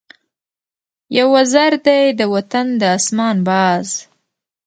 یو وزر دی د وطن د آسمان ، باز